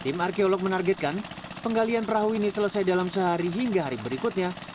tim arkeolog menargetkan penggalian perahu ini selesai dalam sehari hingga hari berikutnya